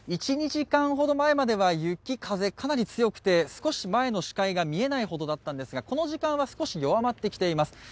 １２時間ほど前までは雪、風、かなり強くて少し前の視界が見えないほどだったんですがこの時間は少し弱まってきています。